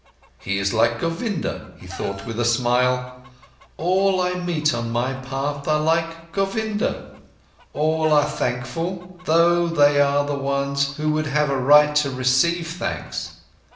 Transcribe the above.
"He is like Govinda," he thought with a smile, "all I meet on my path are like Govinda. All are thankful, though they are the ones who would have a right to receive thanks.